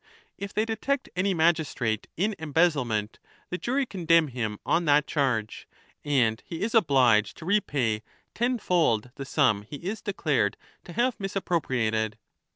If they detect any magistrate in embezzlement, the jury condemn him on that charge, and he is obliged to repay tenfold the sum he is declared to have misappro priated.